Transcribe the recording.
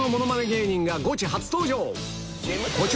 芸人がゴチ初登場！